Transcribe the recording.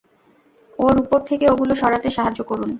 ওর উপর থেকে এগুলো সরাতে সাহায্য করুন!